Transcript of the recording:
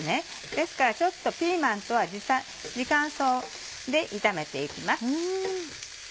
ですからちょっとピーマンとは時間差で炒めて行きます。